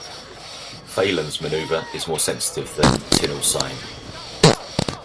Phalen's maneuver is more sensitive than Tinel's sign.